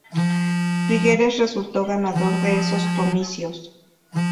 Figueres resultó ganador de esos comicios.